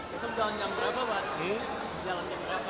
besok jalan yang berapa pak